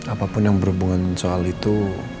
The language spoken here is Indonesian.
apapun yang berhubungan soal itu